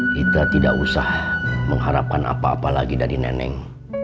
kita tidak usah mengharapkan apa apa lagi dari neneng